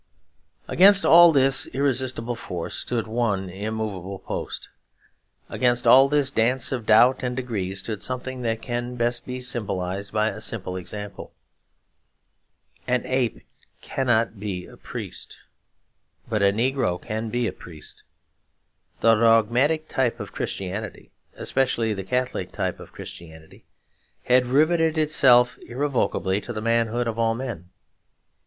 Against all this irresistible force stood one immovable post. Against all this dance of doubt and degree stood something that can best be symbolised by a simple example. An ape cannot be a priest, but a negro can be a priest. The dogmatic type of Christianity, especially the Catholic type of Christianity, had riveted itself irrevocably to the manhood of all men.